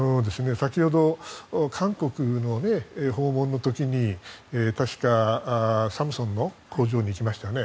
先ほど、韓国の訪問の時に確か、サムスンの工場に行きましたよね。